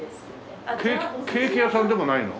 ケーキ屋さんでもないの？